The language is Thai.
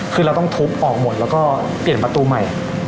คือเราต้องทุบออกหมดแล้วก็เปลี่ยนประตูใหม่